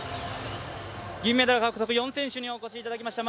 銀メダル獲得、４選手にお越しいただきました。